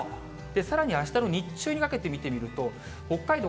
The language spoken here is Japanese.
さらにあしたの日中にかけてみてみると、北海道、